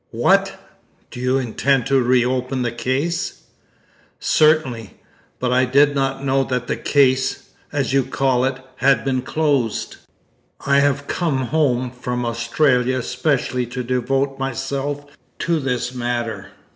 "What! Do you intend to reopen the case?" "Certainly; but I did not know that the case as you call it had been closed. I have come home from Australia especially to devote myself to this matter.